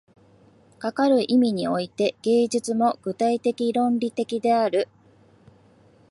かかる意味において、芸術も具体的論理的である。